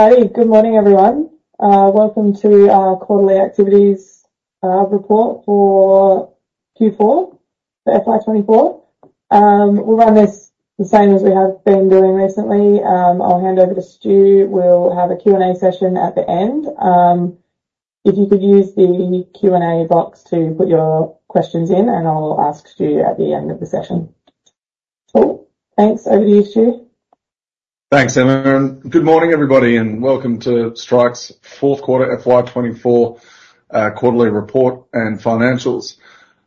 Hey, good morning, everyone. Welcome to our quarterly activities report for Q4, for FY24. We'll run this the same as we have been doing recently. I'll hand over to Stu. We'll have a Q&A session at the end. If you could use the Q&A box to put your questions in, and I'll ask Stu at the end of the session. Cool. Thanks. Over to you, Stu. Thanks, Emma. Good morning, everybody, and welcome to Strike's fourth quarter FY24 quarterly report and financials.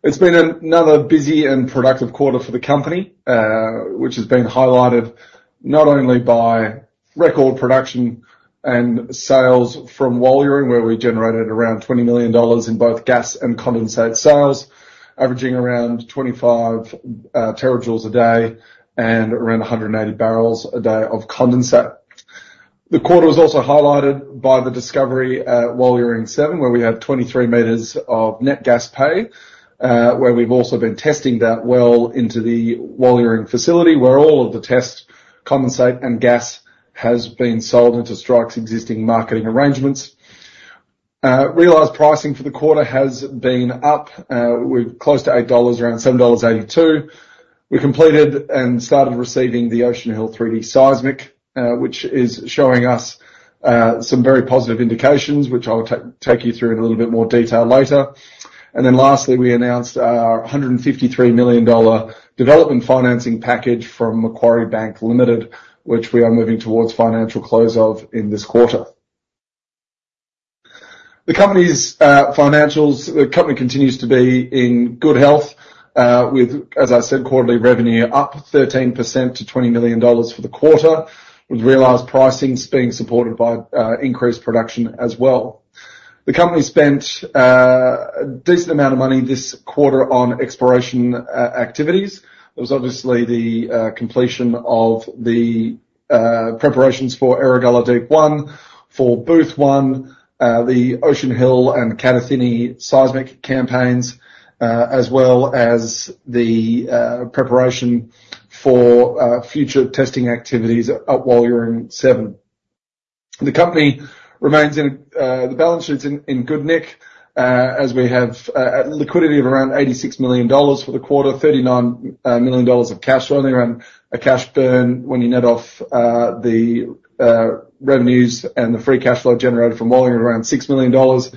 It's been another busy and productive quarter for the company, which has been highlighted not only by record production and sales from Walyering, where we generated around 20 million dollars in both gas and condensate sales, averaging around 25 terajoules a day and around 180 barrels a day of condensate. The quarter was also highlighted by the discovery at Walyering-7, where we had 23 m of net gas pay, where we've also been testing that well into the Walyering facility, where all of the test condensate and gas has been sold into Strike's existing marketing arrangements. Realized pricing for the quarter has been up. We're close to 8 dollars, around 7.82 dollars. We completed and started receiving the Ocean Hill 3D seismic, which is showing us some very positive indications, which I'll take you through in a little bit more detail later. And then lastly, we announced our 153 million dollar development financing package from Macquarie Bank Limited, which we are moving towards financial close of in this quarter. The company's financials, the company continues to be in good health, with, as I said, quarterly revenue up 13% to 20 million dollars for the quarter, with realized pricing being supported by increased production as well. The company spent a decent amount of money this quarter on exploration activities. There was obviously the completion of the preparations for Erregulla Deep-1, for Booth-1, the Ocean Hill and Kadathinni seismic campaigns, as well as the preparation for future testing activities at Walyering-7. The company remains in the balance sheets in good nick, as we have a liquidity of around 86 million dollars for the quarter, 39 million dollars of cash flow, and around a cash burn when you net off the revenues and the free cash flow generated from Walyering, around 6 million dollars.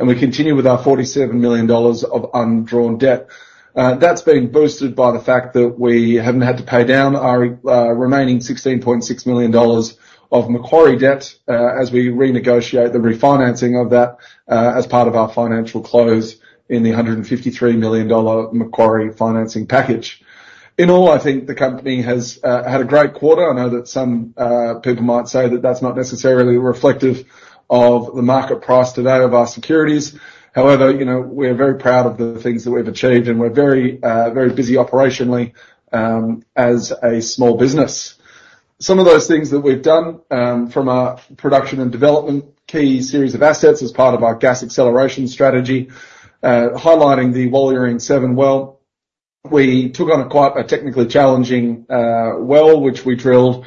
And we continue with our 47 million dollars of undrawn debt. That's been boosted by the fact that we haven't had to pay down our remaining 16.6 million dollars of Macquarie debt as we renegotiate the refinancing of that as part of our financial close in the 153 million dollar Macquarie financing package. In all, I think the company has had a great quarter. I know that some people might say that that's not necessarily reflective of the market price today of our securities. However, we are very proud of the things that we've achieved, and we're very busy operationally as a small business. Some of those things that we've done from our production and development key series of assets as part of our gas acceleration strategy, highlighting the Walyering-7 well, we took on quite a technically challenging well, which we drilled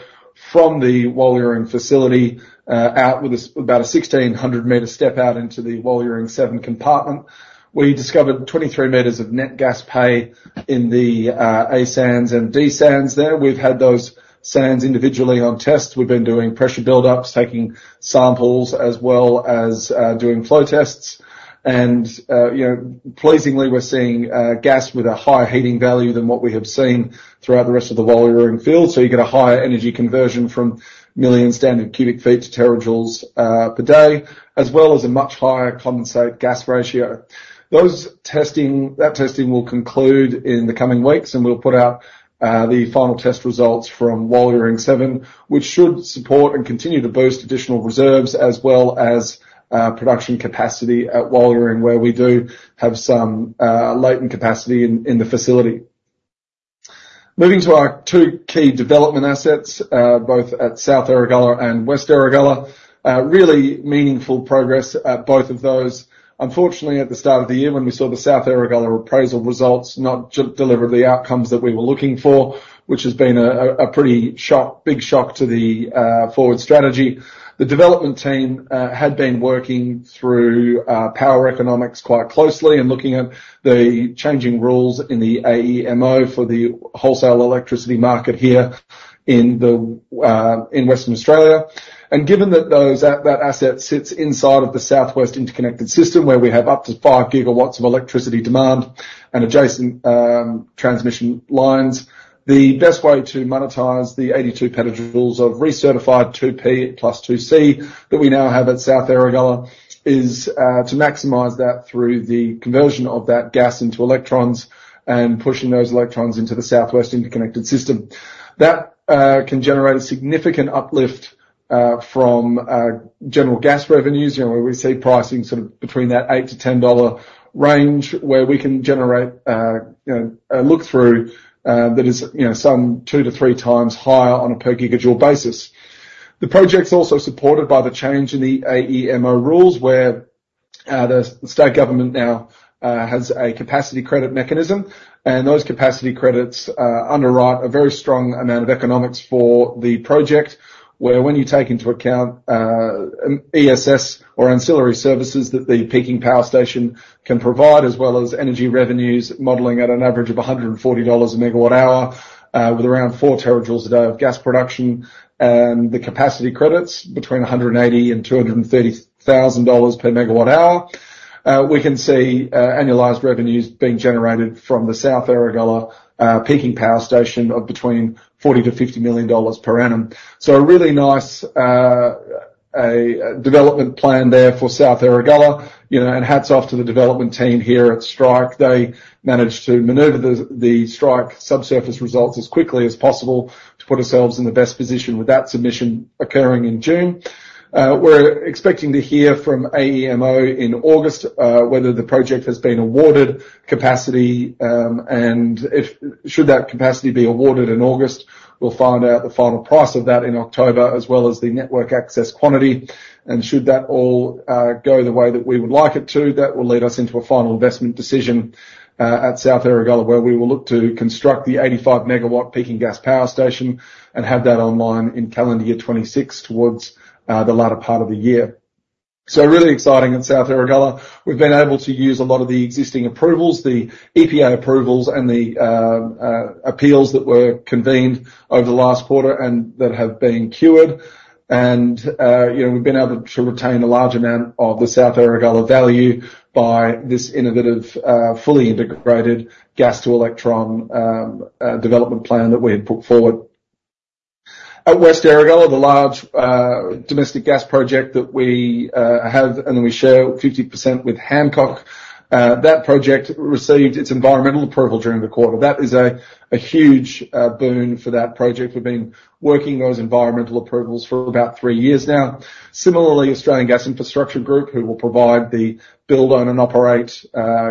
from the Walyering facility out with about a 1,600-m step out into the Walyering-7 compartment. We discovered 23 m of net gas pay in the A sands and B sands there. We've had those sands individually on tests. We've been doing pressure buildups, taking samples, as well as doing flow tests. Pleasingly, we're seeing gas with a higher heating value than what we have seen throughout the rest of the Walyering field. So you get a higher energy conversion from million standard cubic feet to terajoules per day, as well as a much higher condensate gas ratio. That testing will conclude in the coming weeks, and we'll put out the final test results from Walyering-7, which should support and continue to boost additional reserves as well as production capacity at Walyering, where we do have some latent capacity in the facility. Moving to our two key development assets, both at South Erregulla and West Erregulla, really meaningful progress at both of those. Unfortunately, at the start of the year, when we saw the South Erregulla appraisal results, not delivered the outcomes that we were looking for, which has been a pretty big shock to the forward strategy. The development team had been working through power economics quite closely and looking at the changing rules in the AEMO for the wholesale electricity market here in Western Australia. Given that that asset sits inside of the South West Interconnected System, where we have up to 5 gigawatts of electricity demand and adjacent transmission lines, the best way to monetize the 82 petajoules of recertified 2P plus 2C that we now have at South Erregulla is to maximize that through the conversion of that gas into electrons and pushing those electrons into the South West Interconnected System. That can generate a significant uplift from general gas revenues, where we see pricing sort of between that 8-10 dollar range, where we can generate a look-through that is some 2-3 times higher on a per gigajoule basis. The project's also supported by the change in the AEMO rules, where the state government now has a capacity credit mechanism, and those capacity credits underwrite a very strong amount of economics for the project, where when you take into account ESS or ancillary services that the peaking power station can provide, as well as energy revenues modeling at an average of 140 dollars/MWh with around 4 TJ a day of gas production and the capacity credits between 180,000 and 230,000 dollars per MW, we can see annualized revenues being generated from the South Erregulla peaking power station of between 40 million to 50 million dollars per annum. So a really nice development plan there for South Erregulla, and hats off to the development team here at Strike. They managed to maneuver the Strike subsurface results as quickly as possible to put ourselves in the best position with that submission occurring in June. We're expecting to hear from AEMO in August whether the project has been awarded capacity, and should that capacity be awarded in August, we'll find out the final price of that in October, as well as the network access quantity. And should that all go the way that we would like it to, that will lead us into a final investment decision at South Erregulla, where we will look to construct the 85-MW peaking gas power station and have that online in calendar year 2026 towards the latter part of the year. So really exciting at South Erregulla. We've been able to use a lot of the existing approvals, the EPA approvals, and the appeals that were convened over the last quarter and that have been queued. We've been able to retain a large amount of the South Erregulla value by this innovative, fully integrated gas-to-power development plan that we had put forward. At West Erregulla, the large domestic gas project that we have and we share 50% with Hancock, that project received its environmental approval during the quarter. That is a huge boon for that project. We've been working those environmental approvals for about three years now. Similarly, Australian Gas Infrastructure Group, who will provide the build, own, and operate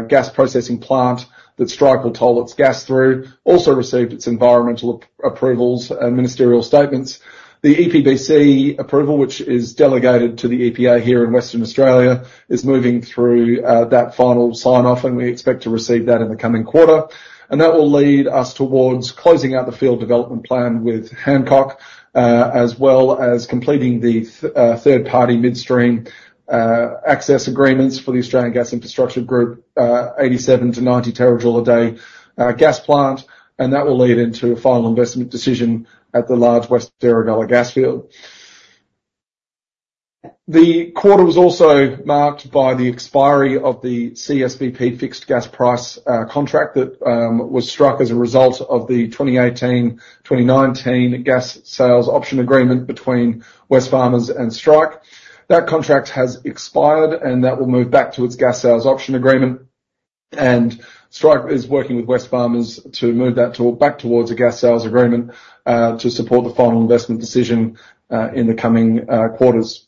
gas processing plant that Strike will toll its gas through, also received its environmental approvals and ministerial statements. The EPBC approval, which is delegated to the EPA here in Western Australia, is moving through that final sign-off, and we expect to receive that in the coming quarter. That will lead us towards closing out the field development plan with Hancock, as well as completing the third-party midstream access agreements for the Australian Gas Infrastructure Group, 87-90 terajoule a day gas plant. That will lead into a final investment decision at the large West Erregulla gas field. The quarter was also marked by the expiry of the CSBP fixed gas price contract that was struck as a result of the 2018-2019 gas sales option agreement between Wesfarmers and Strike. That contract has expired, and that will move back to its gas sales option agreement. Strike is working with Wesfarmers to move that back towards a gas sales agreement to support the final investment decision in the coming quarters.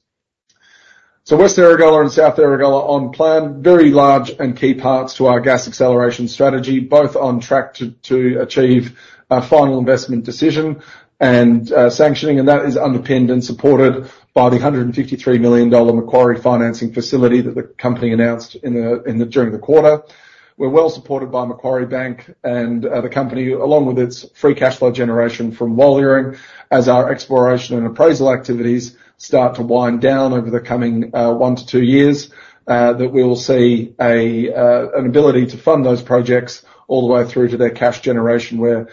West Erregulla and South Erregulla on plan, very large and key parts to our gas acceleration strategy, both on track to achieve a final investment decision and sanctioning. That is underpinned and supported by the 153 million dollar Macquarie financing facility that the company announced during the quarter. We're well supported by Macquarie Bank and the company, along with its free cash flow generation from Walyering, as our exploration and appraisal activities start to wind down over the coming one to two years, that we will see an ability to fund those projects all the way through to their cash generation where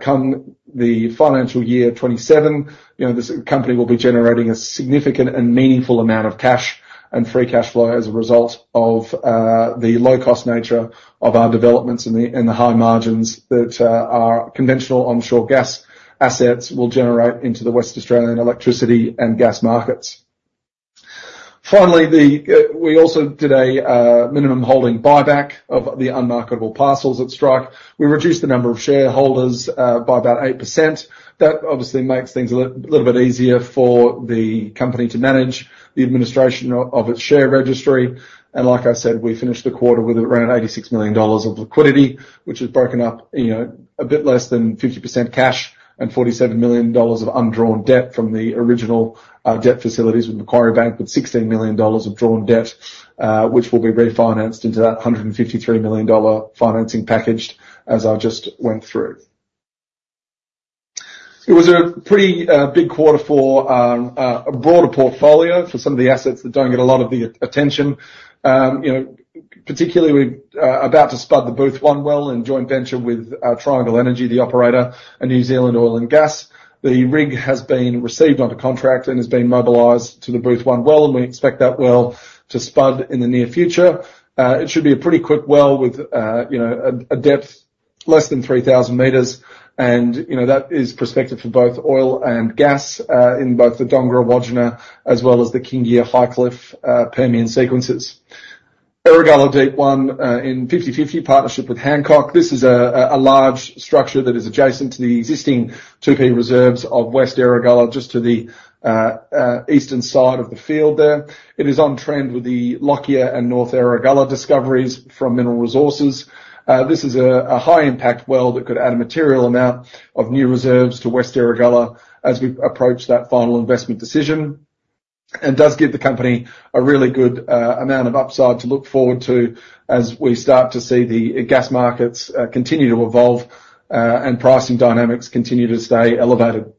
come the financial year 2027, this company will be generating a significant and meaningful amount of cash and free cash flow as a result of the low-cost nature of our developments and the high margins that our conventional onshore gas assets will generate into the West Australian electricity and gas markets. Finally, we also did a minimum holding buyback of the unmarketable parcels at Strike. We reduced the number of shareholders by about 8%. That obviously makes things a little bit easier for the company to manage the administration of its share registry. And like I said, we finished the quarter with around 86 million dollars of liquidity, which has broken up a bit less than 50% cash and 47 million dollars of undrawn debt from the original debt facilities with Macquarie Bank, with 16 million dollars of drawn debt, which will be refinanced into that 153 million dollar financing package, as I just went through. It was a pretty big quarter for a broader portfolio for some of the assets that don't get a lot of the attention. Particularly, we're about to spud the Booth-1 well in joint venture with Triangle Energy, the operator, and New Zealand Oil and Gas. The rig has been received onto contract and has been mobilized to the Booth-1 well, and we expect that well to spud in the near future. It should be a pretty quick well with a depth less than 3,000 m. And that is prospective for both oil and gas in both the Dongara Wagina, as well as the Kingia High Cliff Permian sequences. Erregulla Deep-1 in 50/50 partnership with Hancock. This is a large structure that is adjacent to the existing 2P reserves of West Erregulla, just to the eastern side of the field there. It is on trend with the Lockyer and North Erregulla discoveries from Mineral Resources. This is a high-impact well that could add a material amount of new reserves to West Erregulla as we approach that final investment decision. And does give the company a really good amount of upside to look forward to as we start to see the gas markets continue to evolve and pricing dynamics continue to stay elevated.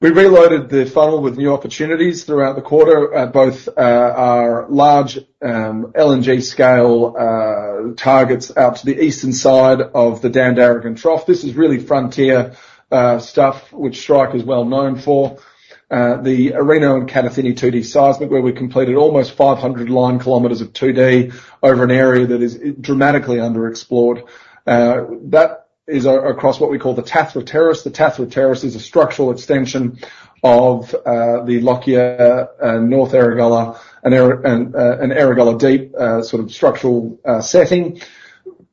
We reloaded the funnel with new opportunities throughout the quarter, both our large LNG scale targets out to the eastern side of the Dandaragan Trough. This is really frontier stuff, which Strike is well known for. The Arrino and Kadathinni 2D seismic, where we completed almost 500 line km of 2D over an area that is dramatically underexplored. That is across what we call the Tathra Terrace. The Tathra Terrace is a structural extension of the Lockyer and North Erregulla and Erregulla Deep sort of structural setting.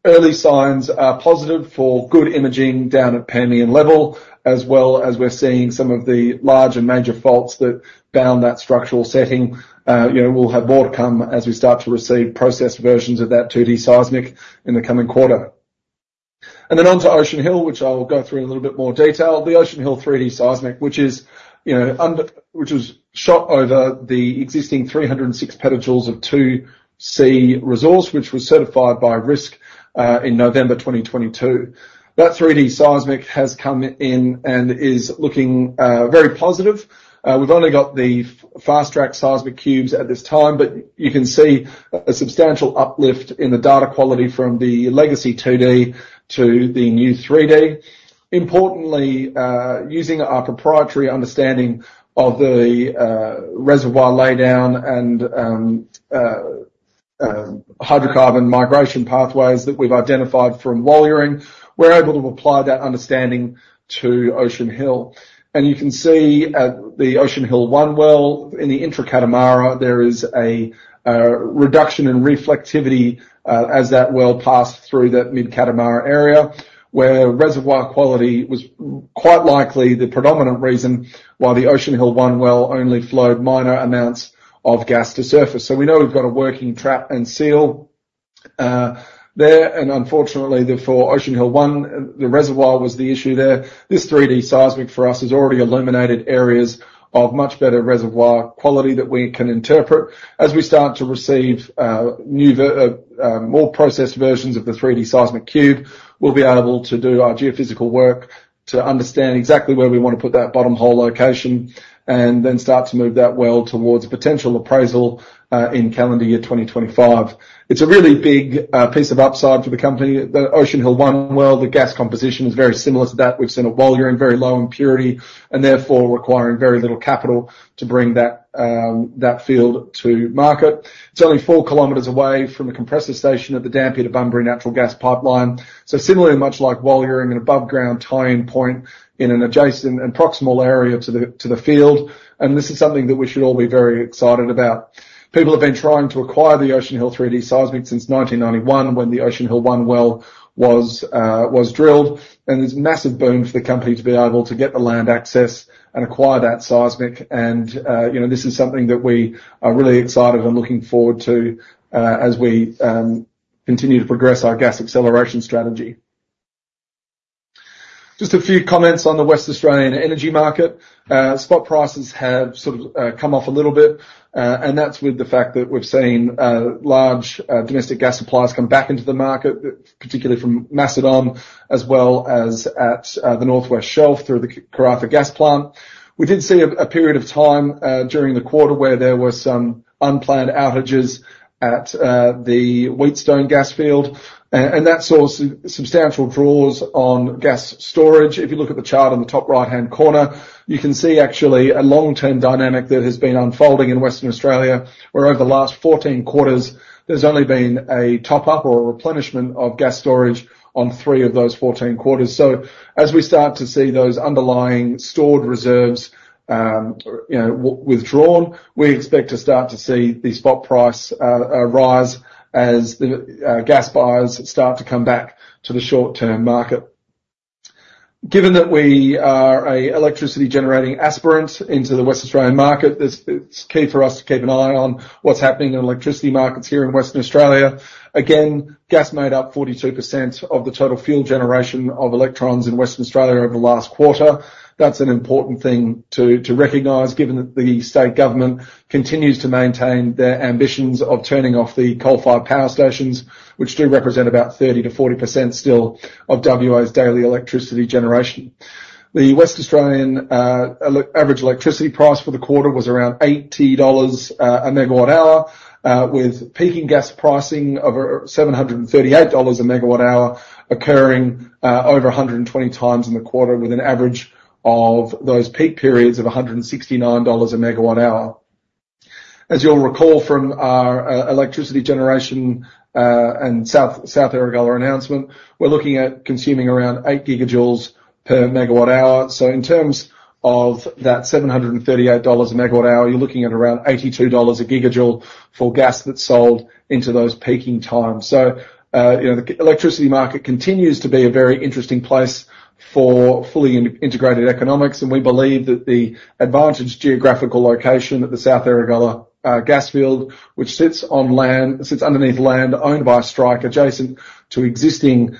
Early signs are positive for good imaging down at Permian level, as well as we're seeing some of the large and major faults that bound that structural setting. We'll have more to come as we start to receive processed versions of that 2D seismic in the coming quarter. On to Ocean Hill, which I'll go through in a little bit more detail. The Ocean Hill 3D seismic, which was shot over the existing 306 PJ of 2C resource, which was certified by RISC in November 2022. That 3D seismic has come in and is looking very positive. We've only got the fast-track seismic cubes at this time, but you can see a substantial uplift in the data quality from the legacy 2D to the new 3D. Importantly, using our proprietary understanding of the reservoir lay down and hydrocarbon migration pathways that we've identified from Walyering, we're able to apply that understanding to Ocean Hill. You can see at the Ocean Hill-1 well, in the intra-Kingia, there is a reduction in reflectivity as that well passed through that mid-Kingia area, where reservoir quality was quite likely the predominant reason why the Ocean Hill-1 well only flowed minor amounts of gas to surface. So we know we've got a working trap and seal there. Unfortunately, for Ocean Hill-1, the reservoir was the issue there. This 3D seismic for us has already illuminated areas of much better reservoir quality that we can interpret. As we start to receive more processed versions of the 3D seismic cube, we'll be able to do our geophysical work to understand exactly where we want to put that bottom hole location and then start to move that well towards potential appraisal in calendar year 2025. It's a really big piece of upside for the company. The Ocean Hill-1 well, the gas composition is very similar to that we've seen at Walyering in very low impurity and therefore requiring very little capital to bring that field to market. It's only 4 km away from the compressor station at the Dampier to Bunbury Natural Gas Pipeline. So similarly, much like Walyering, an above-ground tie-in point in an adjacent and proximal area to the field. And this is something that we should all be very excited about. People have been trying to acquire the Ocean Hill 3D seismic since 1991, when the Ocean Hill-1 well was drilled. And it's a massive boon for the company to be able to get the land access and acquire that seismic. And this is something that we are really excited and looking forward to as we continue to progress our gas acceleration strategy. Just a few comments on the Western Australian energy market. Spot prices have sort of come off a little bit, and that's with the fact that we've seen large domestic gas suppliers come back into the market, particularly from Macedon as well as at the North West Shelf through the Karratha Gas Plant. We did see a period of time during the quarter where there were some unplanned outages at the Wheatstone gas field, and that saw substantial draws on gas storage. If you look at the chart on the top right-hand corner, you can see actually a long-term dynamic that has been unfolding in Western Australia, where over the last 14 quarters, there's only been a top-up or a replenishment of gas storage on three of those 14 quarters. So as we start to see those underlying stored reserves withdrawn, we expect to start to see the spot price rise as the gas buyers start to come back to the short-term market. Given that we are an electricity-generating aspirant into the Western Australian market, it's key for us to keep an eye on what's happening in electricity markets here in Western Australia. Again, gas made up 42% of the total fuel generation of electrons in Western Australia over the last quarter. That's an important thing to recognize, given that the state government continues to maintain their ambitions of turning off the coal-fired power stations, which do represent about 30%-40% still of WA's daily electricity generation. The West Australian average electricity price for the quarter was around 80 dollars/MWh, with peaking gas pricing of AUD 738/MWh occurring over 120 times in the quarter, with an average of those peak periods of 169 dollars/MWh. As you'll recall from our electricity generation and South Erregulla announcement, we're looking at consuming around 8 GJ per MWh. So in terms of that 738 dollars/MWh, you're looking at around 82 dollars/GJ for gas that's sold into those peaking times. So the electricity market continues to be a very interesting place for fully integrated economics. We believe that the advantage geographical location at the South Erregulla gas field, which sits underneath land owned by Strike, adjacent to existing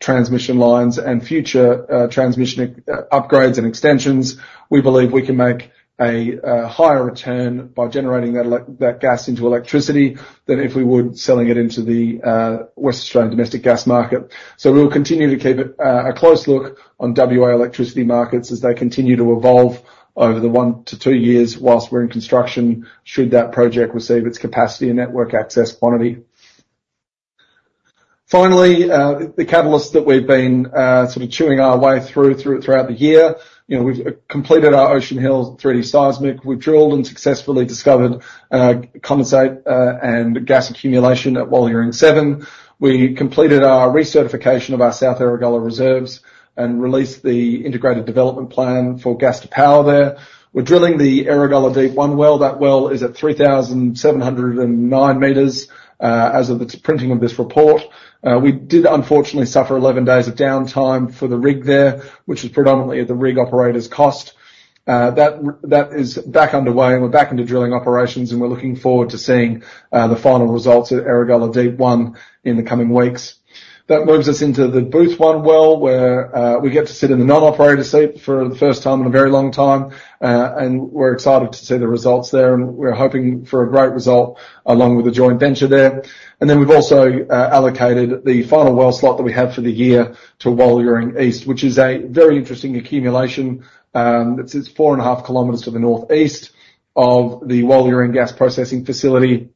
transmission lines and future transmission upgrades and extensions, we believe we can make a higher return by generating that gas into electricity than if we were selling it into the West Australian domestic gas market. So we will continue to keep a close look on WA electricity markets as they continue to evolve over the 1-2 years whilst we're in construction, should that project receive its capacity and network access quantity. Finally, the catalysts that we've been sort of chewing our way through throughout the year, we've completed our Ocean Hill 3D seismic. We've drilled and successfully discovered condensate and gas accumulation at Walyering-7. We completed our recertification of our South Erregulla reserves and released the integrated development plan for gas to power there. We're drilling the Erregulla Deep-1 well. That well is at 3,709 m as of the printing of this report. We did unfortunately suffer 11 days of downtime for the rig there, which was predominantly at the rig operator's cost. That is back underway, and we're back into drilling operations, and we're looking forward to seeing the final results at Erregulla Deep-1 in the coming weeks. That moves us into the Booth-1 well, where we get to sit in the non-operator seat for the first time in a very long time. We're excited to see the results there, and we're hoping for a great result along with the joint venture there. And then we've also allocated the final well slot that we have for the year to Walyering East, which is a very interesting accumulation. It's 4 1/2 km to the northeast of the Walyering Gas Processing Facility.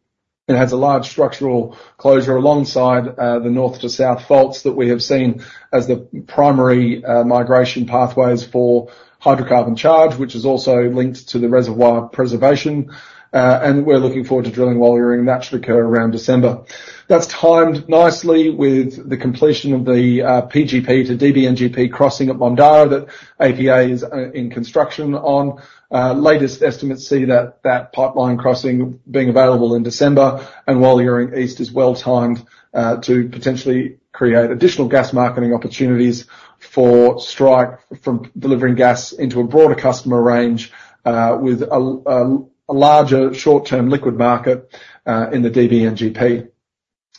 It has a large structural closure alongside the north to south faults that we have seen as the primary migration pathways for hydrocarbon charge, which is also linked to the reservoir preservation. And we're looking forward to drilling Walyering and that should occur around December. That's timed nicely with the completion of the PGP to DBNGP crossing at Mondara that APA is in construction on. Latest estimates see that that pipeline crossing being available in December, and Walyering East is well timed to potentially create additional gas marketing opportunities for Strike from delivering gas into a broader customer range with a larger short-term liquid market in the DBNGP.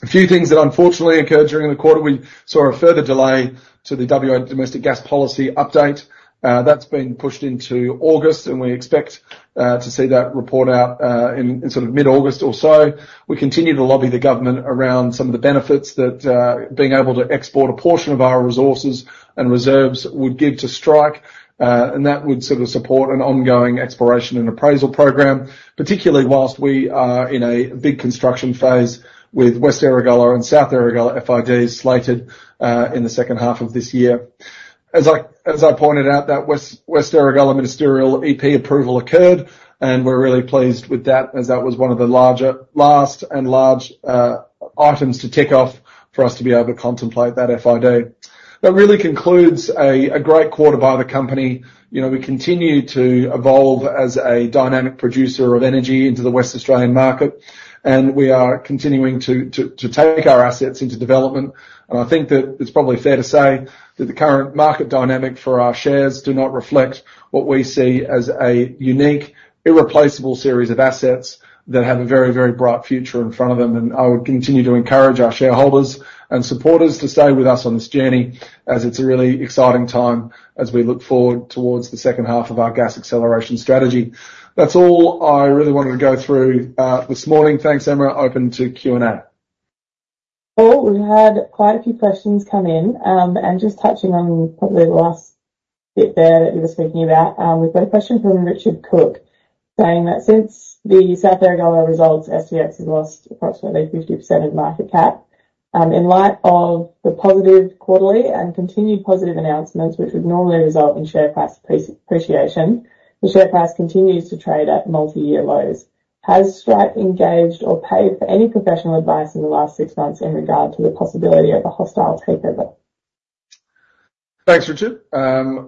A few things that unfortunately occurred during the quarter. We saw a further delay to the WA domestic gas policy update. That's been pushed into August, and we expect to see that report out in sort of mid-August or so. We continue to lobby the government around some of the benefits that being able to export a portion of our resources and reserves would give to Strike, and that would sort of support an ongoing exploration and appraisal program, particularly whilst we are in a big construction phase with West Erregulla and South Erregulla FIDs slated in the second half of this year. As I pointed out, that West Erregulla ministerial EP approval occurred, and we're really pleased with that as that was one of the last and large items to tick off for us to be able to contemplate that FID. That really concludes a great quarter by the company. We continue to evolve as a dynamic producer of energy into the West Australian market, and we are continuing to take our assets into development. I think that it's probably fair to say that the current market dynamic for our shares do not reflect what we see as a unique, irreplaceable series of assets that have a very, very bright future in front of them. I would continue to encourage our shareholders and supporters to stay with us on this journey as it's a really exciting time as we look forward towards the second half of our gas acceleration strategy. That's all I really wanted to go through this morning. Thanks, Emma. Open to Q&A. Well, we've had quite a few questions come in. Just touching on the last bit there that you were speaking about, we've got a question from Richard Cook saying that since the South Erregulla results, STX has lost approximately 50% of market cap. In light of the positive quarterly and continued positive announcements, which would normally result in share price appreciation, the share price continues to trade at multi-year lows. Has Strike engaged or paid for any professional advice in the last six months in regard to the possibility of a hostile takeover? Thanks, Richard.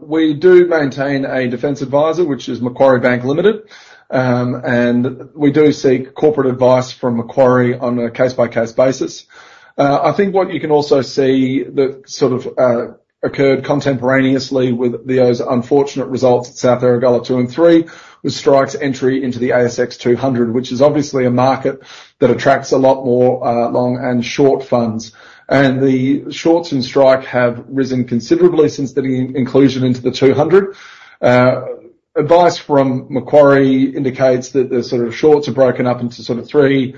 We do maintain a defense advisor, which is Macquarie Bank Limited, and we do seek corporate advice from Macquarie on a case-by-case basis. I think what you can also see that sort of occurred contemporaneously with those unfortunate results at South Erregulla 2 and 3 was Strike's entry into the ASX 200, which is obviously a market that attracts a lot more long and short funds. The shorts in Strike have risen considerably since the inclusion into the 200. Advice from Macquarie indicates that the sort of shorts are broken up into sort of three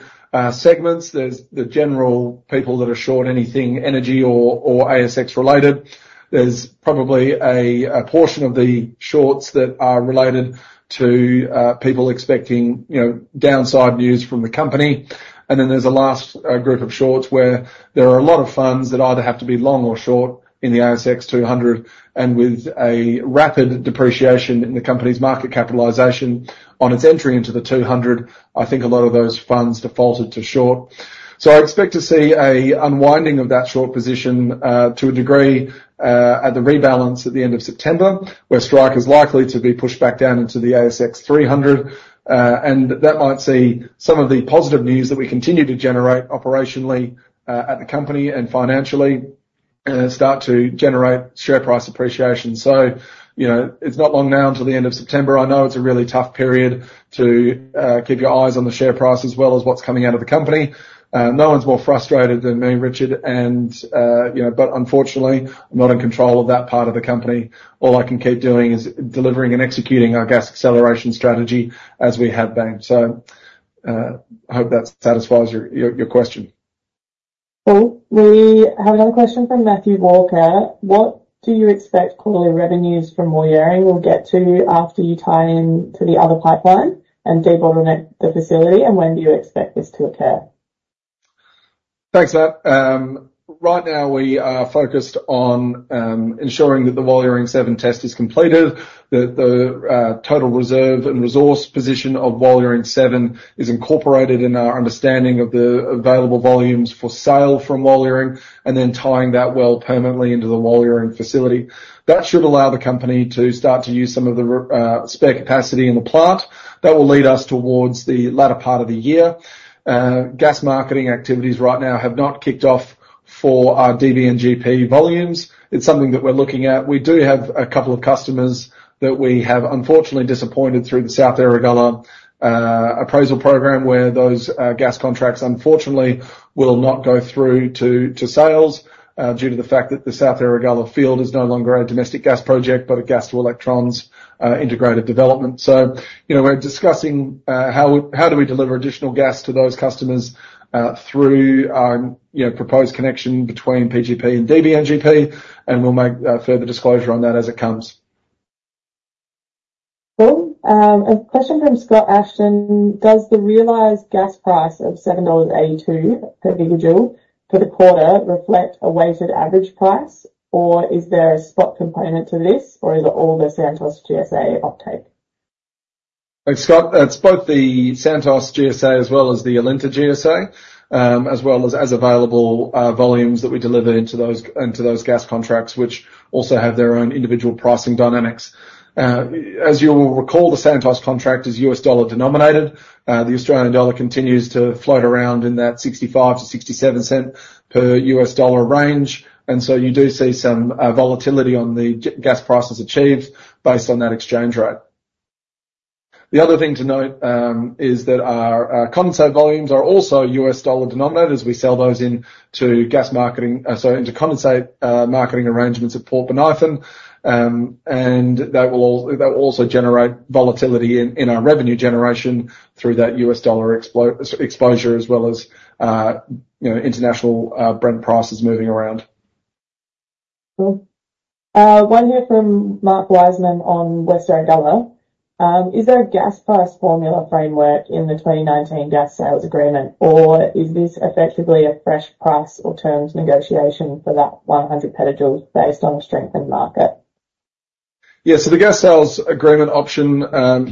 segments. There's the general people that are short anything energy or ASX related. There's probably a portion of the shorts that are related to people expecting downside news from the company. Then there's a last group of shorts where there are a lot of funds that either have to be long or short in the ASX 200. And with a rapid depreciation in the company's market capitalization on its entry into the 200, I think a lot of those funds defaulted to short. So I expect to see an unwinding of that short position to a degree at the rebalance at the end of September, where Strike is likely to be pushed back down into the ASX 300. And that might see some of the positive news that we continue to generate operationally at the company and financially start to generate share price appreciation. So it's not long now until the end of September. I know it's a really tough period to keep your eyes on the share price as well as what's coming out of the company. No one's more frustrated than me, Richard, but unfortunately, I'm not in control of that part of the company. All I can keep doing is delivering and executing our gas acceleration strategy as we have been. So I hope that satisfies your question. Well, we have another question from Matthew Walker. What do you expect quarterly revenues from Walyering will get to after you tie in to the other pipeline and de-bottleneck the facility, and when do you expect this to occur? Thanks, Matt. Right now, we are focused on ensuring that the Walyering-7 test is completed, that the total reserve and resource position of Walyering-7 is incorporated in our understanding of the available volumes for sale from Walyering, and then tying that well permanently into the Walyering facility. That should allow the company to start to use some of the spare capacity in the plant. That will lead us towards the latter part of the year. Gas marketing activities right now have not kicked off for our DBNGP volumes. It's something that we're looking at. We do have a couple of customers that we have unfortunately disappointed through the South Erregulla appraisal program, where those gas contracts unfortunately will not go through to sales due to the fact that the South Erregulla field is no longer a domestic gas project, but a gas-to-electrons integrated development. So we're discussing how do we deliver additional gas to those customers through proposed connection between PGP and DBNGP, and we'll make further disclosure on that as it comes. Well, a question from Scott Ashton. Does the realized gas price of 7.82 dollars per gigajoule for the quarter reflect a weighted average price, or is there a spot component to this, or is it all the Santos GSA uptake? Thanks, Scott. It's both the Santos GSA as well as the Alinta GSA, as well as available volumes that we deliver into those gas contracts, which also have their own individual pricing dynamics. As you will recall, the Santos contract is US dollar denominated. The Australian dollar continues to float around in that 65-67 cents per US dollar range. And so you do see some volatility on the gas prices achieved based on that exchange rate. The other thing to note is that our condensate volumes are also US dollar denominated as we sell those into condensate marketing arrangements at Port Bonython. And that will also generate volatility in our revenue generation through that US dollar exposure, as well as international Brent prices moving around. Well, one here from Mark Wiseman on West Erregulla. Is there a gas price formula framework in the 2019 gas sales agreement, or is this effectively a fresh price or terms negotiation for that 100 petajoules based on a strengthened market? Yes. So the gas sales agreement option,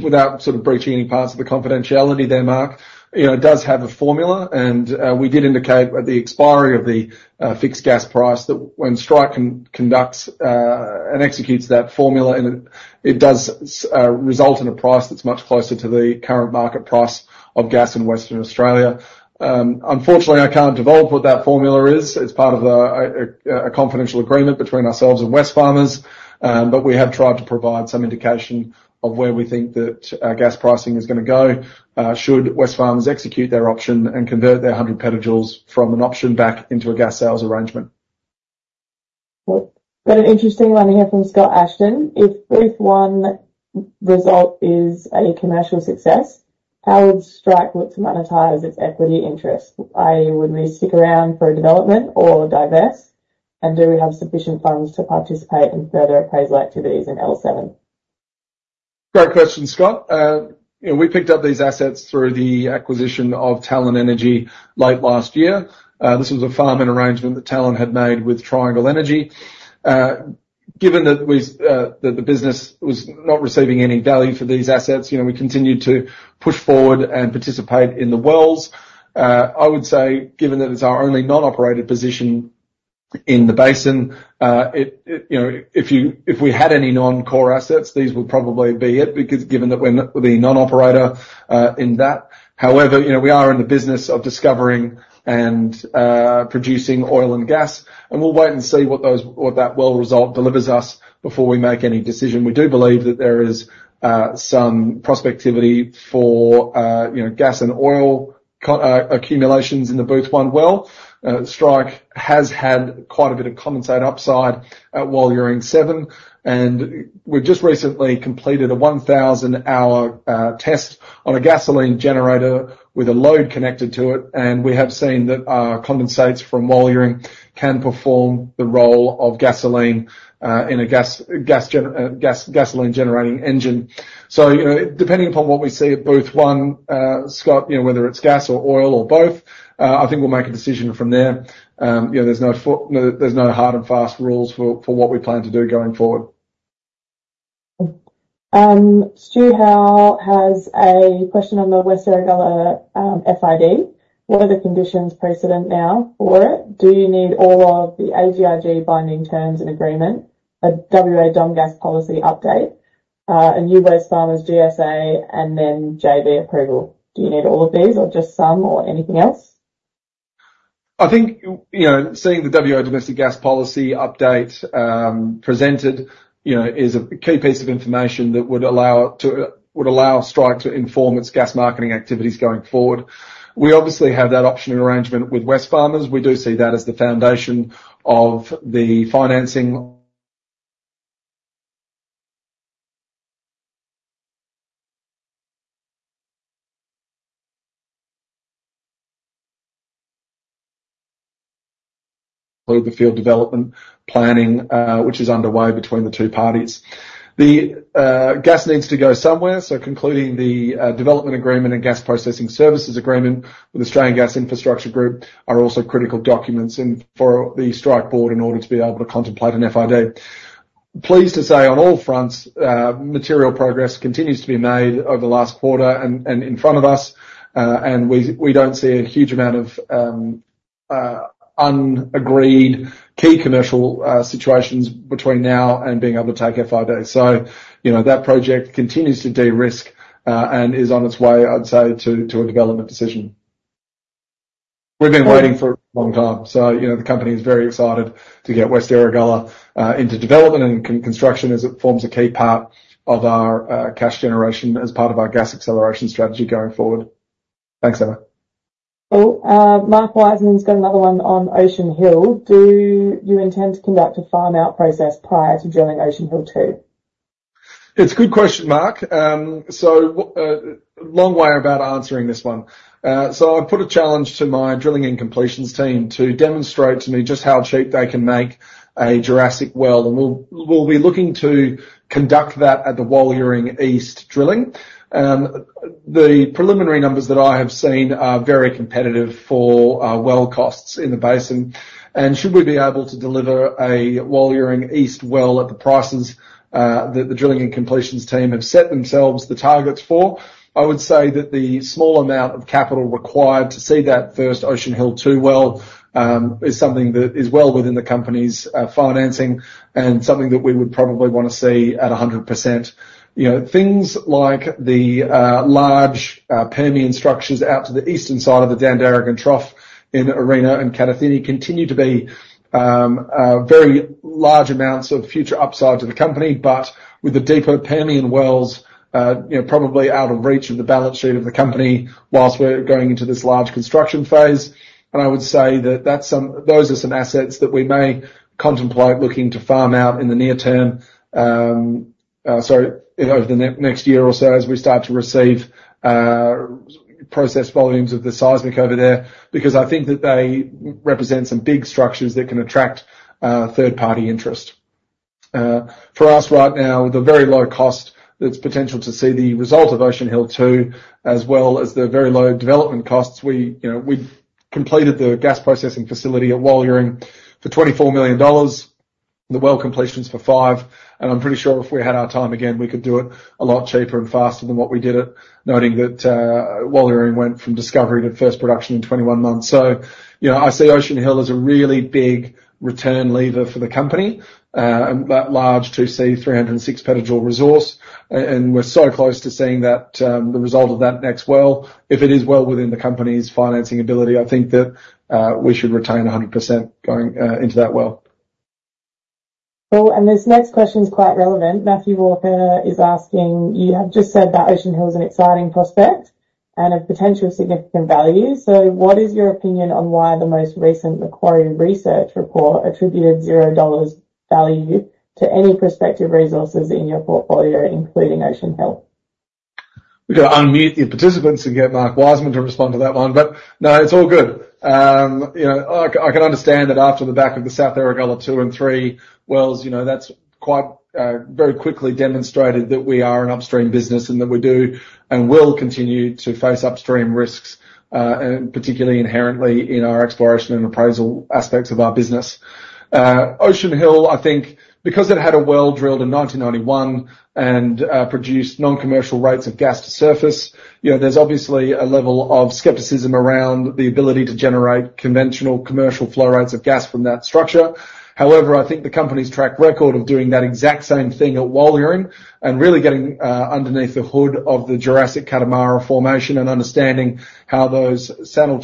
without sort of breaching any parts of the confidentiality there, Mark, does have a formula. And we did indicate at the expiry of the fixed gas price that when Strike conducts and executes that formula, it does result in a price that's much closer to the current market price of gas in Western Australia. Unfortunately, I can't divulge what that formula is. It's part of a confidential agreement between ourselves and Wesfarmers, but we have tried to provide some indication of where we think that our gas pricing is going to go should Wesfarmers execute their option and convert their 100 petajoules from an option back into a gas sales arrangement. Got an interesting one here from Scott Ashton. If Booth-1 result is a commercial success, how would Strike look to monetize its equity interest? I.e., would we stick around for a development or divest? And do we have sufficient funds to participate in further appraisal activities in L7? Great question, Scott. We picked up these assets through the acquisition of Talon Energy late last year. This was a farming arrangement that Talon had made with Triangle Energy. Given that the business was not receiving any value for these assets, we continued to push forward and participate in the wells. I would say, given that it's our only non-operated position in the basin, if we had any non-core assets, these would probably be it, given that we're the non-operator in that. However, we are in the business of discovering and producing oil and gas, and we'll wait and see what that well result delivers us before we make any decision. We do believe that there is some prospectivity for gas and oil accumulations in the Booth-1 well. Strike has had quite a bit of condensate upside at Walyering-7, and we've just recently completed a 1,000-hour test on a gasoline generator with a load connected to it. And we have seen that our condensates from Walyering can perform the role of gasoline in a gasoline-generating engine. So depending upon what we see at Booth-1, Scott, whether it's gas or oil or both, I think we'll make a decision from there. There's no hard and fast rules for what we plan to do going forward. Stuart Howe has a question on the West Erregulla FID. What are the conditions precedent now for it? Do you need all of the AGIG binding terms and agreement, a WA domestic gas policy update, a new Wesfarmers GSA, and then JV approval? Do you need all of these or just some or anything else? I think seeing the WA domestic gas policy update presented is a key piece of information that would allow Strike to inform its gas marketing activities going forward. We obviously have that option arrangement with Wesfarmers. We do see that as the foundation of the financing field development planning, which is underway between the two parties. The gas needs to go somewhere, so concluding the development agreement and gas processing services agreement with Australian Gas Infrastructure Group are also critical documents for the Strike board in order to be able to contemplate an FID. Pleased to say, on all fronts, material progress continues to be made over the last quarter and in front of us, and we don't see a huge amount of unagreed key commercial situations between now and being able to take FID. So that project continues to de-risk and is on its way, I'd say, to a development decision. We've been waiting for a long time. So the company is very excited to get West Erregulla into development and construction as it forms a key part of our cash generation as part of our gas acceleration strategy going forward. Thanks, Emma. Well, Mark Wiseman's got another one on Ocean Hill. Do you intend to conduct a farm-out process prior to drilling Ocean Hill-2? It's a good question, Mark. So long way about answering this one. So I've put a challenge to my drilling and completions team to demonstrate to me just how cheap they can make a Jurassic well. And we'll be looking to conduct that at the Walyering East drilling. The preliminary numbers that I have seen are very competitive for well costs in the basin. Should we be able to deliver a Walyering East well at the prices that the drilling and completions team have set themselves the targets for, I would say that the small amount of capital required to see that first Ocean Hill-2 well is something that is well within the company's financing and something that we would probably want to see at 100%. Things like the large Permian structures out to the eastern side of the Dandaragan Trough in Arrino and Kadathinni continue to be very large amounts of future upside to the company, but with the deeper Permian wells probably out of reach of the balance sheet of the company whilst we're going into this large construction phase. And I would say that those are some assets that we may contemplate looking to farm out in the near term, sorry, over the next year or so as we start to receive processed volumes of the seismic over there, because I think that they represent some big structures that can attract third-party interest. For us right now, with a very low cost, there's potential to see the result of Ocean Hill-2 as well as the very low development costs. We completed the gas processing facility at Walyering for 24 million dollars, the well completions for 5 million. And I'm pretty sure if we had our time again, we could do it a lot cheaper and faster than what we did it, noting that Walyering went from discovery to first production in 21 months. So I see Ocean Hill as a really big return lever for the company, that large 2C 306 petajoule resource. And we're so close to seeing the result of that next well. If it is well within the company's financing ability, I think that we should retain 100% going into that well. Well, and this next question is quite relevant. Matthew Walker is asking, you have just said that Ocean Hill is an exciting prospect and of potential significant value. So what is your opinion on why the most recent Macquarie research report attributed 0 dollars value to any prospective resources in your portfolio, including Ocean Hill? We've got to unmute the participants and get Mark Wiseman to respond to that one. But no, it's all good. I can understand that after the back of the South Erregulla 2 and 3 wells, that's quite very quickly demonstrated that we are an upstream business and that we do and will continue to face upstream risks, particularly inherently in our exploration and appraisal aspects of our business. Ocean Hill, I think, because it had a well drilled in 1991 and produced non-commercial rates of gas to surface, there's obviously a level of skepticism around the ability to generate conventional commercial flow rates of gas from that structure. However, I think the company's track record of doing that exact same thing at Walyering and really getting underneath the hood of the Jurassic Cattamarra Formation and understanding how those sand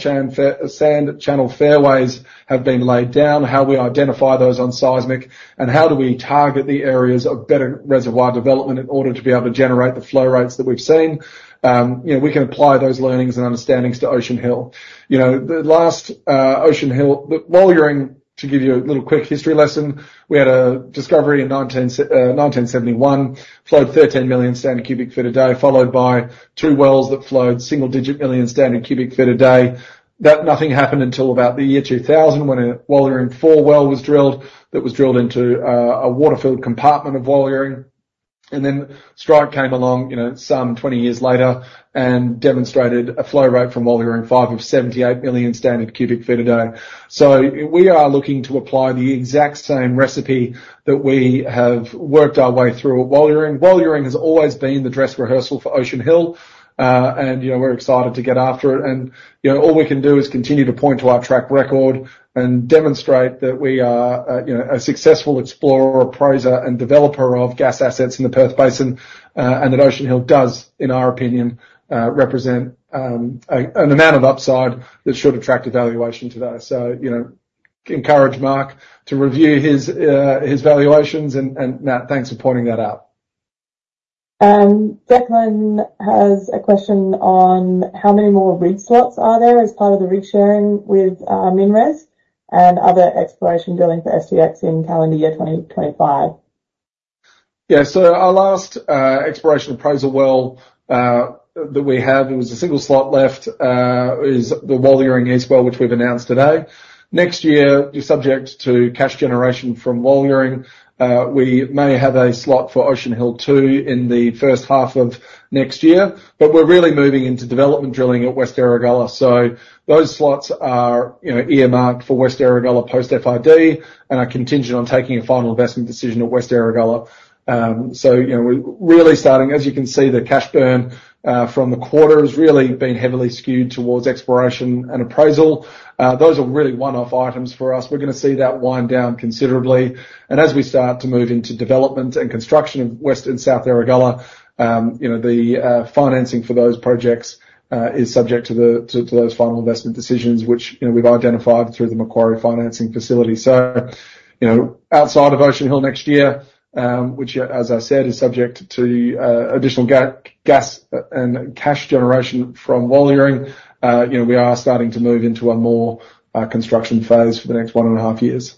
channel fairways have been laid down, how we identify those on seismic, and how do we target the areas of better reservoir development in order to be able to generate the flow rates that we've seen, we can apply those learnings and understandings to Ocean Hill. The last Ocean Hill, Walyering, to give you a little quick history lesson, we had a discovery in 1971, flowed 13 million standard cubic feet a day, followed by two wells that flowed single-digit million standard cubic feet a day. That nothing happened until about the year 2000 when a Walyering-4 well was drilled into a water-filled compartment of Walyering. And then Strike came along some 20 years later and demonstrated a flow rate from Walyering-5 of 78 million standard cubic feet a day. So we are looking to apply the exact same recipe that we have worked our way through at Walyering. Walyering has always been the dress rehearsal for Ocean Hill, and we're excited to get after it. And all we can do is continue to point to our track record and demonstrate that we are a successful explorer, appraiser, and developer of gas assets in the Perth Basin. And that Ocean Hill does, in our opinion, represent an amount of upside that should attract evaluation today. So encourage Mark to review his valuations. And Matt, thanks for pointing that out. Declan has a question on how many more rig slots are there as part of the rig sharing with MinRes and other exploration drilling for STX in calendar year 2025? Yeah. So our last exploration appraisal well that we have, there was a single slot left, is the Walyering East well, which we've announced today. Next year, you're subject to cash generation from Walyering. We may have a slot for Ocean Hill 2 in the first half of next year, but we're really moving into development drilling at West Erregulla. So those slots are earmarked for West Erregulla post-FID and are contingent on taking a final investment decision at West Erregulla. So we're really starting, as you can see, the cash burn from the quarter has really been heavily skewed towards exploration and appraisal. Those are really one-off items for us. We're going to see that wind down considerably. As we start to move into development and construction of West and South Erregulla, the financing for those projects is subject to those final investment decisions, which we've identified through the Macquarie financing facility. So outside of Ocean Hill next year, which, as I said, is subject to additional gas and cash generation from Walyering, we are starting to move into a more construction phase for the next one and a half years.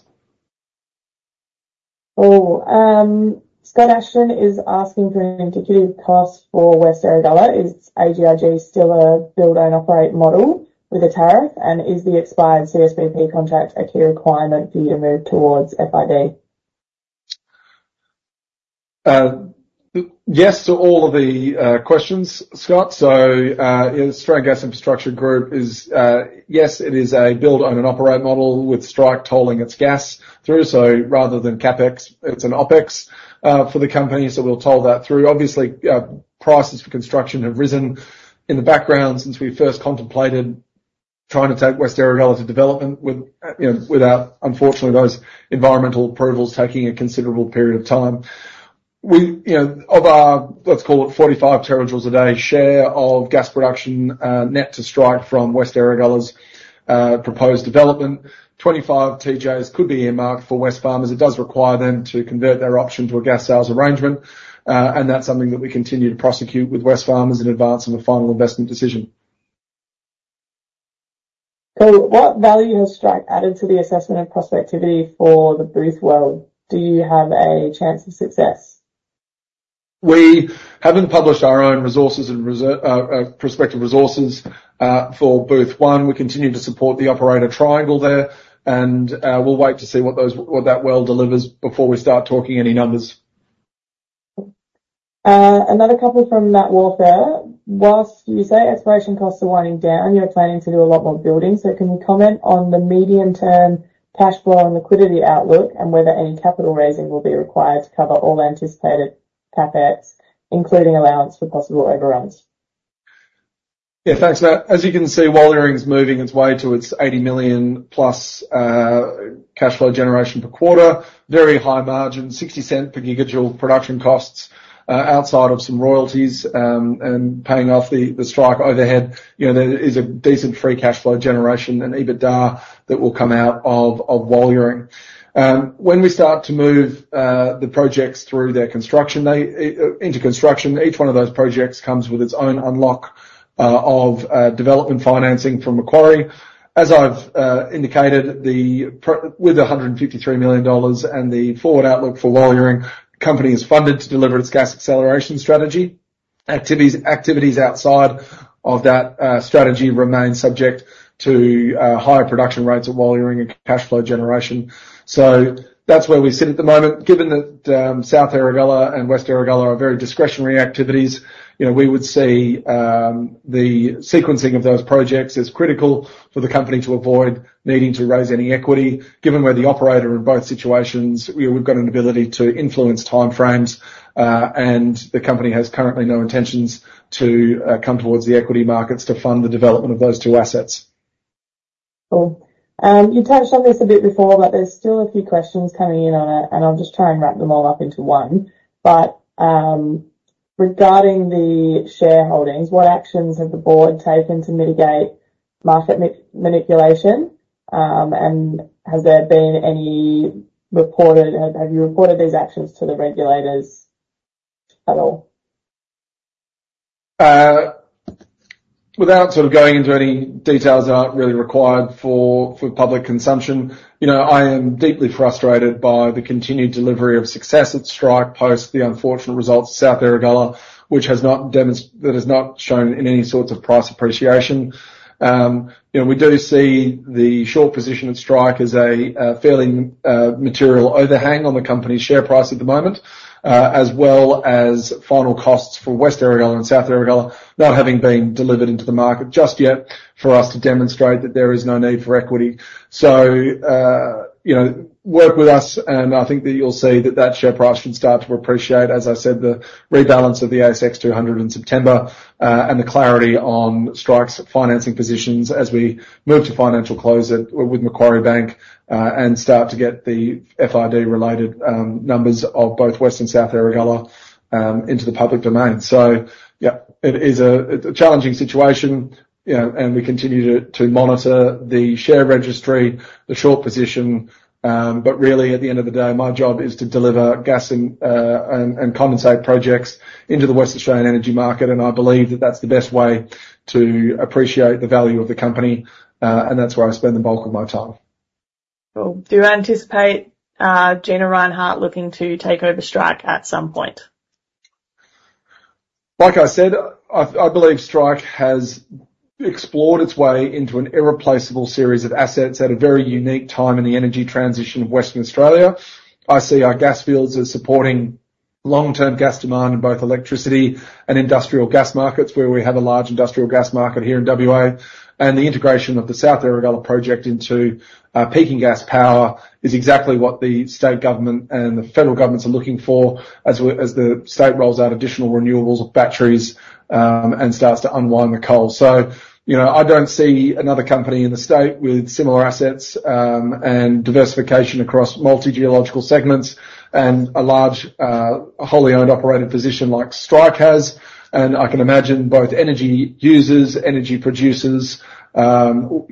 Well, Scott Ashton is asking for an indicative cost for West Erregulla. Is AGIG still a build-and-operate model with a tariff? And is the expired CSBP contract a key requirement for you to move towards FID? Yes to all of the questions, Scott. So the Australian Gas Infrastructure Group is, yes, it is a build-own-and-operate model with Strike tolling its gas through. So rather than CapEx, it's an OpEx for the company. So we'll toll that through. Obviously, prices for construction have risen in the background since we first contemplated trying to take West Erregulla to development without, unfortunately, those environmental approvals taking a considerable period of time. Of our, let's call it, 45 terajoules a day share of gas production net to Strike from West Erregulla's proposed development, 25 TJs could be earmarked for Wesfarmers. It does require them to convert their option to a gas sales arrangement. And that's something that we continue to prosecute with Wesfarmers in advance of a final investment decision. So what value has Strike added to the assessment of prospectivity for the Booth-1 well? Do you have a chance of success? We haven't published our own prospective resources for Booth-1. We continue to support the operator, Triangle, there, and we'll wait to see what that well delivers before we start talking any numbers. Another couple from Matt Walker. While you say exploration costs are winding down, you're planning to do a lot more building. So can you comment on the medium-term cash flow and liquidity outlook and whether any capital raising will be required to cover all anticipated CapEx, including allowance for possible overruns? Yeah, thanks, Matt. As you can see, Walyering's moving its way to its 80 million+ cash flow generation per quarter, very high margin, 0.60 per gigajoule production costs outside of some royalties and paying off the Strike overhead. There is a decent free cash flow generation and EBITDA that will come out of Walyering. When we start to move the projects through their construction into construction, each one of those projects comes with its own unlock of development financing from Macquarie. As I've indicated, with the 153 million dollars and the forward outlook for Walyering, the company is funded to deliver its gas acceleration strategy. Activities outside of that strategy remain subject to higher production rates at Walyering and cash flow generation. So that's where we sit at the moment. Given that South Erregulla and West Erregulla are very discretionary activities, we would see the sequencing of those projects as critical for the company to avoid needing to raise any equity, given where the operator in both situations, we've got an ability to influence timeframes, and the company has currently no intentions to come towards the equity markets to fund the development of those two assets. Cool. You touched on this a bit before, but there's still a few questions coming in on it, and I'll just try and wrap them all up into one. But regarding the shareholdings, what actions have the board taken to mitigate market manipulation? And has there been any reported have you reported these actions to the regulators at all? Without sort of going into any details that aren't really required for public consumption, I am deeply frustrated by the continued delivery of success at Strike post the unfortunate results of South Erregulla, which has not shown in any sorts of price appreciation. We do see the short position at Strike as a fairly material overhang on the company's share price at the moment, as well as final costs for West Erregulla and South Erregulla not having been delivered into the market just yet for us to demonstrate that there is no need for equity. So work with us, and I think that you'll see that that share price should start to appreciate. As I said, the rebalance of the ASX 200 in September and the clarity on Strike's financing positions as we move to financial close with Macquarie Bank and start to get the FID-related numbers of both West and South Erregulla into the public domain. So yeah, it is a challenging situation, and we continue to monitor the share registry, the short position. But really, at the end of the day, my job is to deliver gas and condensate projects into the Western Australian energy market. I believe that that's the best way to appreciate the value of the company. That's where I spend the bulk of my time. Cool. Do you anticipate Gina Reinhart looking to take over Strike at some point? Like I said, I believe Strike has explored its way into an irreplaceable series of assets at a very unique time in the energy transition of Western Australia. I see our gas fields as supporting long-term gas demand in both electricity and industrial gas markets, where we have a large industrial gas market here in WA. The integration of the South Erregulla project into peaking gas power is exactly what the state government and the federal government are looking for as the state rolls out additional renewables, batteries, and starts to unwind the coal. So I don't see another company in the state with similar assets and diversification across multi-geological segments and a large wholly-owned operated position like Strike has. And I can imagine both energy users, energy producers could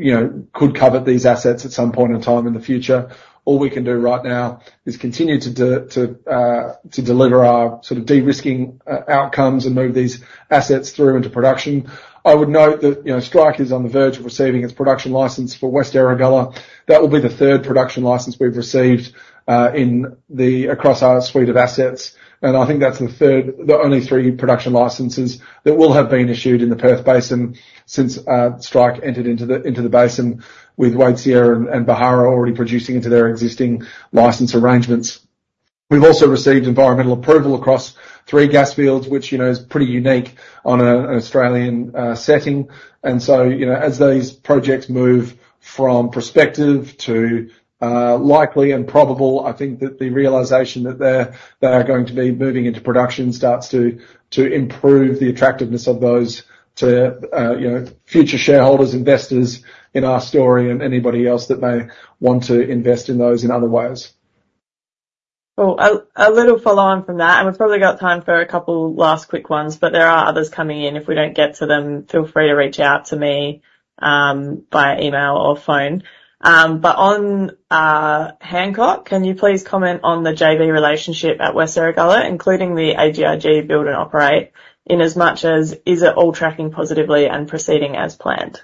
covet these assets at some point in time in the future. All we can do right now is continue to deliver our sort of de-risking outcomes and move these assets through into production. I would note that Strike is on the verge of receiving its production license for West Erregulla. That will be the third production license we've received across our suite of assets. I think that's the only three production licenses that will have been issued in the Perth Basin since Strike entered into the basin, with Waitsia and Beharra already producing into their existing license arrangements. We've also received environmental approval across three gas fields, which is pretty unique on an Australian setting. So as those projects move from prospective to likely and probable, I think that the realization that they are going to be moving into production starts to improve the attractiveness of those to future shareholders, investors in our story, and anybody else that may want to invest in those in other ways. Cool. A little follow-on from that. We've probably got time for a couple last quick ones, but there are others coming in. If we don't get to them, feel free to reach out to me via email or phone. But on Hancock, can you please comment on the JV relationship at West Erregulla, including the AGIG build-and-operate, in as much as is it all tracking positively and proceeding as planned?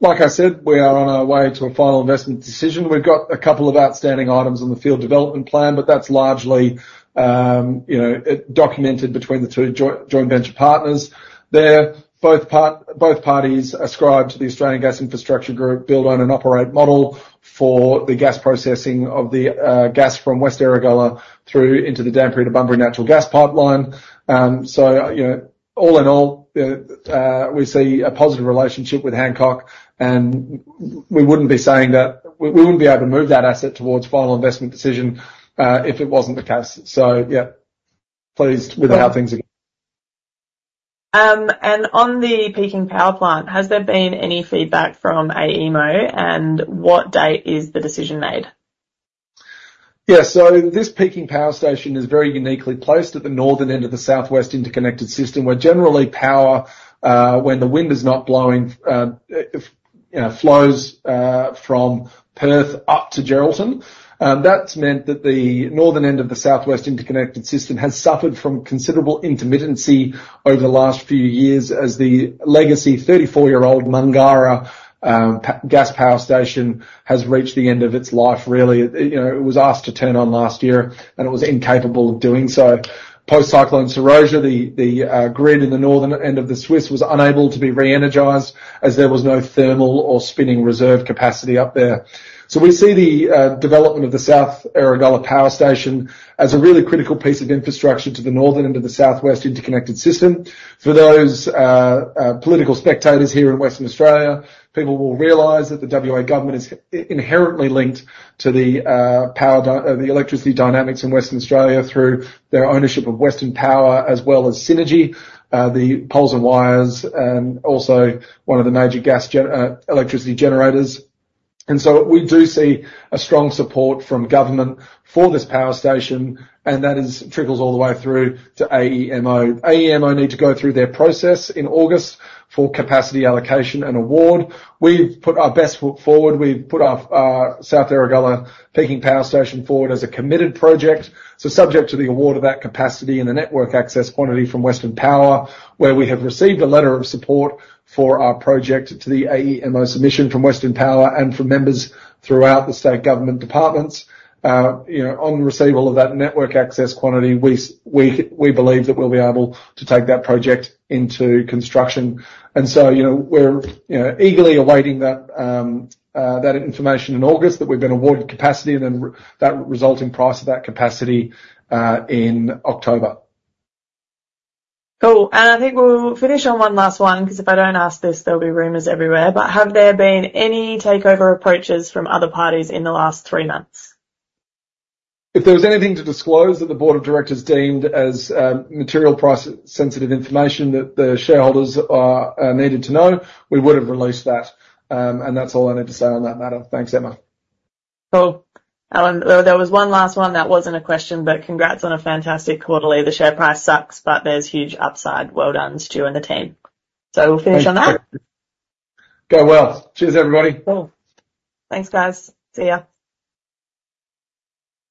Like I said, we are on our way to a final investment decision. We've got a couple of outstanding items on the field development plan, but that's largely documented between the two joint venture partners there. Both parties ascribe to the Australian Gas Infrastructure Group build-own-and-operate model for the gas processing of the gas from West Erregulla through into the Dampier to Bunbury Natural Gas Pipeline. So all in all, we see a positive relationship with Hancock. And we wouldn't be saying that we wouldn't be able to move that asset towards final investment decision if it wasn't the case. So yeah, pleased with how things are going. And on the peaking power plant, has there been any feedback from AEMO? And what date is the decision made? Yeah. So this peaking power station is very uniquely placed at the northern end of the South West Interconnected System where generally power, when the wind is not blowing, flows from Perth up to Geraldton. That's meant that the northern end of the South West Interconnected System has suffered from considerable intermittency over the last few years as the legacy 34-year-old Mungarra gas power station has reached the end of its life, really. It was asked to turn on last year, and it was incapable of doing so. Post-Cyclone Seroja, the grid in the northern end of the SWIS was unable to be re-energized as there was no thermal or spinning reserve capacity up there. So we see the development of the South Erregulla Power Station as a really critical piece of infrastructure to the northern end of the South West Interconnected System. For those political spectators here in Western Australia, people will realize that the WA government is inherently linked to the electricity dynamics in Western Australia through their ownership of Western Power as well as Synergy, the poles and wires, and also one of the major gas electricity generators. So we do see a strong support from government for this power station, and that trickles all the way through to AEMO. AEMO need to go through their process in August for capacity allocation and award. We've put our best foot forward. We've put our South Erregulla peaking power station forward as a committed project. So subject to the award of that capacity and the network access quantity from Western Power, where we have received a letter of support for our project to the AEMO submission from Western Power and from members throughout the state government departments. On receival of that network access quantity, we believe that we'll be able to take that project into construction. And so we're eagerly awaiting that information in August that we've been awarded capacity and then that resulting price of that capacity in October. Cool. And I think we'll finish on one last one because if I don't ask this, there'll be rumors everywhere. But have there been any takeover approaches from other parties in the last three months? If there was anything to disclose that the board of directors deemed as material price-sensitive information that the shareholders needed to know, we would have released that. That's all I need to say on that matter. Thanks, Emma. Cool. There was one last one that wasn't a question, but congrats on a fantastic quarterly. The share price sucks, but there's huge upside. Well done to you and the team. We'll finish on that. Go well. Cheers, everybody. Cool. Thanks, guys. See you.